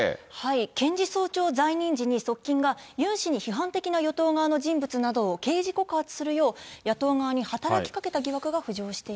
検事総長在任時に、側近が、ユン氏に批判的な与党側の人物などを刑事告発するよう、野党側に働きかけた疑惑が浮上しています。